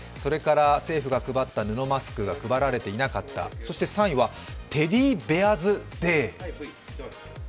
政府が配った布マスクが配られていなかった、３位はテディベアズ・デー。